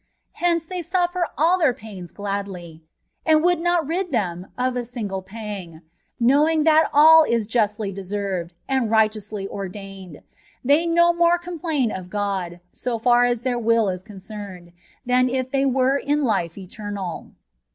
Hence they suffer ali their pains gladly, and would not rid them of a single pang, knowing that ali is justly deserved and righteously ordained ; they no more complain of God, so far as their will is concemed, than if they were in life eternai.